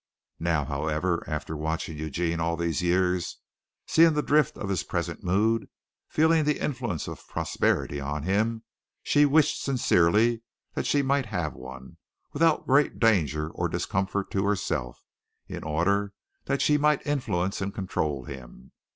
Now, however, after watching Eugene all these years, seeing the drift of his present mood, feeling the influence of prosperity on him, she wished sincerely that she might have one, without great danger or discomfort to herself, in order that she might influence and control him.